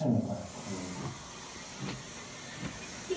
雷。